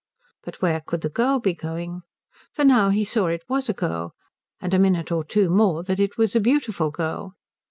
But where could the girl be going? For he now saw it was a girl, and in a minute or two more that it was a beautiful girl.